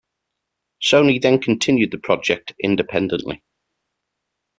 Sony then continued the project independently.